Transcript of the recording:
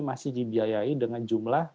masih dibiayai dengan jumlah